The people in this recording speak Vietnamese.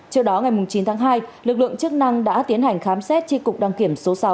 trước đó ngày chín tháng hai lực lượng chức năng đã tiến hành khám xét tri cục đăng kiểm số sáu